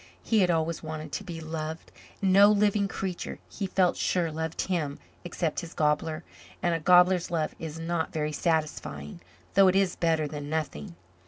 He had always wanted to be loved. And no living creature, he felt sure, loved him, except his gobbler and a gobbler's love is not very satisfying, though it is better than nothing.